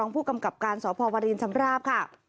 ผู้กำกับการสพวรินชำราบค่ะ